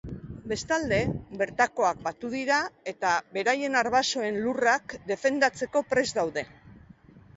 Bestalde, bertakoak batu dira eta beraien arbasoen lurrak defendatzeko prest daude.